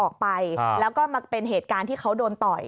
ออกไปแล้วก็มาเป็นเหตุการณ์ที่เขาโดนต่อย